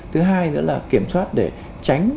thứ hai nữa là kiểm soát để tránh